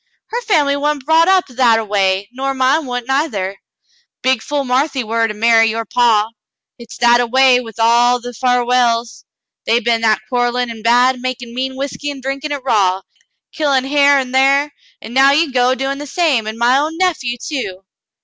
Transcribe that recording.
Her family wa'n't brought up that a way, nor mine wa'n't neither. Big fool Marthy war to marry with your paw. Hit's that a way with all the Farwells; they been that quarellin' an' bad, makin' mean whiskey an' drinkin' hit raw, killin' hyar an' thar, an' now you go doin' the same, an' my own nephew, too."